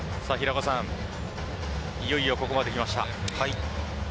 いよいよここまで来ました。